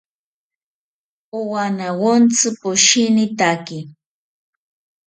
Owanawontzi poshinitaki